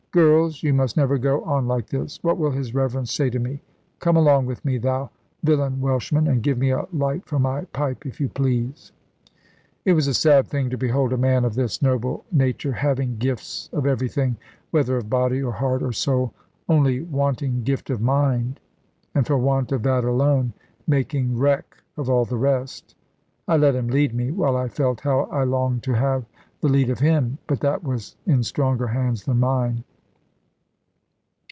Girls, you must never go on like this. What will his Reverence say to me? Come along with me, thou villain Welshman, and give me a light for my pipe, if you please." It was a sad thing to behold a man of this noble nature, having gifts of everything (whether of body, or heart, or soul), only wanting gift of mind; and for want of that alone, making wreck of all the rest. I let him lead me; while I felt how I longed to have the lead of him. But that was in stronger hands than mine.